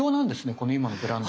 この今のブランド。